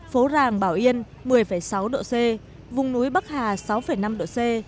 phố ràng bảo yên một mươi sáu độ c vùng núi bắc hà sáu năm độ c